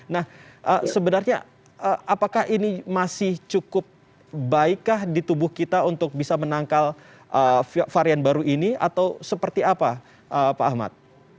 nah sebenarnya apakah ini masih cukup baikkah di tubuh kita untuk bisa menangkal varian baru ini atau seperti apa pak ahmad